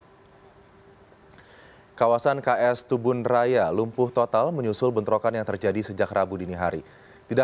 kawasan ks tubun raya lumpuh total menyusul bentrokan yang terjadi sejak rabu dini hari tidak